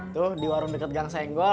tuh di warung dekat gang senggol